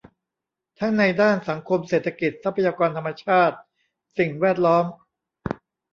ทั้งในด้านสังคมเศรษฐกิจ ทรัพยากรธรรมชาติ สิ่งแวดล้อม